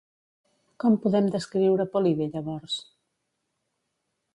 Com podem descriure Polide, llavors?